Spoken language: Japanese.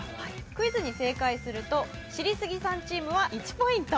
クイズに正解すると知りスギさんチームは１ポイント